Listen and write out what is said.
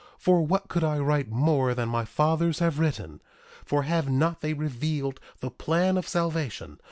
For what could I write more than my fathers have written? For have not they revealed the plan of salvation?